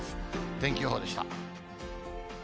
天気予報でした。